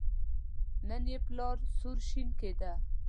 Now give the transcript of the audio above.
نن یې پلار سور شین کېده.